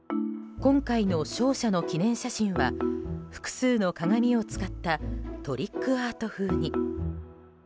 今回の勝者の記念写真は複数の鏡を使ったトリックアート風に。